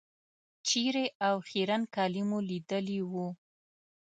چېرې او خیرن کالي مو لوېدلي وو.